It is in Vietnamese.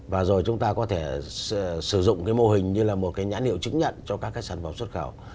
và rồi chúng ta có thể sử dụng cái mô hình như là một cái nhãn hiệu chứng nhận cho các cái sản phẩm xuất khẩu